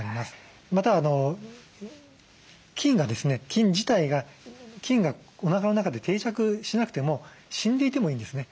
菌自体がおなかの中で定着しなくても死んでいてもいいんですね。